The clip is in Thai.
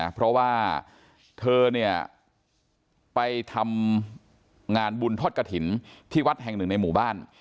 เพราะว่าเธอเนี่ยไปทำงานบุญทอดกระถิ่นที่วัดแห่งหนึ่งในหมู่บ้าน